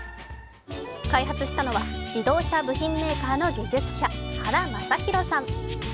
開発したのは自動車部品メーカーの技術者・原昌宏さん。